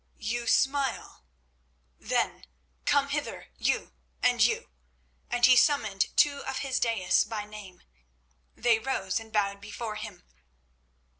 You smile? Then come hither you—and you." And he summoned two of his daïs by name. They rose and bowed before him.